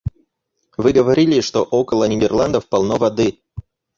Вы говорили, что около Нидерландов полно воды.